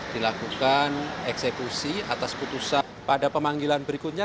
dilakukan eksekusi atas putusan pada pemanggilan berikutnya